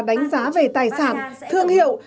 đánh giá về tài sản thương hiệu